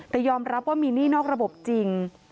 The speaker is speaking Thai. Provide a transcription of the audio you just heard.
แต่ยอมรับว่ามีหนี้นอกระบบจริง